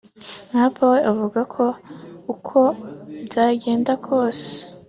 Mkapa we akavuga ko uko byagenda kose